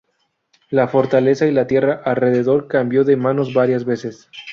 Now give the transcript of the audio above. La fortaleza y la tierra alrededor cambió de manos varias veces.